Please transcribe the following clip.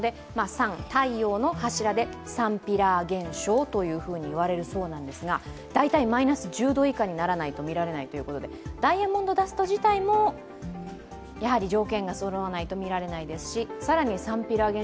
太陽の柱でサンピラー現象といわれるそうですが大体マイナス１０度以下にならないと見られないということで、ダイヤモンドダスト自体も条件がそろわないと見られないですし。